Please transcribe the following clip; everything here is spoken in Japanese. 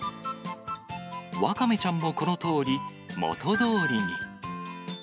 ワカメちゃんもこのとおり、元どおりに。